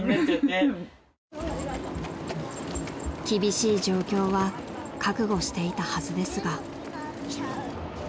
［厳しい状況は覚悟していたはずですが］